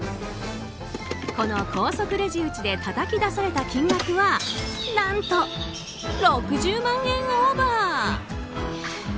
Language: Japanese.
この高速レジ打ちでたたき出された金額は何と６０万円オーバー。